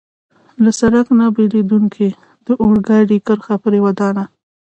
له سړک نه بېلېدونکې د اورګاډي کرښه پرې ودانوه.